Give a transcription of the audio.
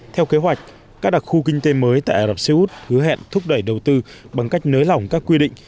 theo kế hoạch các đặc khu kinh tế mới tại ả rập xê út hứa hẹn thúc đẩy đầu tư bằng cách nới lỏng các quy định